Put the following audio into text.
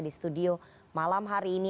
di studio malam hari ini